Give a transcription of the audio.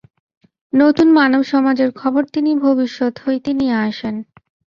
নতুন মানব সমাজের খবর তিনি ভবিষ্যত হইতে নিয়া আসেন।